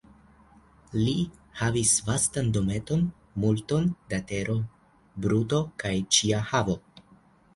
Li havis vastan dometon, multon da tero, bruto kaj ĉia havo.